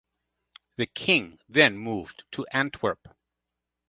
The King then moved to Antwerp.